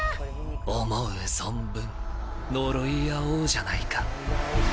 思う存分、呪い合おうじゃないか。